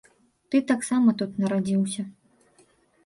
Ты таксама тут нарадзіўся.